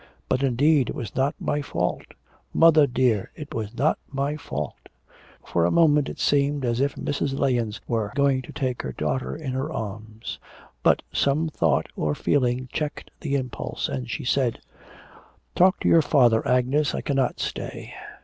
But, indeed, it was not my fault. Mother, dear, it was not my fault.' For a moment it seemed as if Mrs. Lahens were going to take her daughter in her arms. But some thought or feeling checked the impulse, and she said: 'Talk to your father, Agnes. I cannot stay.'